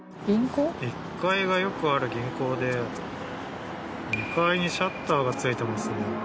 １階がよくある銀行で２階にシャッターが付いてますね。